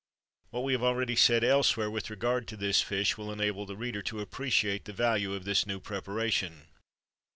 [XXIII 30] What we have already said elsewhere with regard to this fish will enable the reader to appreciate the value of this new preparation.